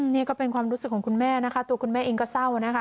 นี่ก็เป็นความรู้สึกของคุณแม่นะคะตัวคุณแม่เองก็เศร้านะคะ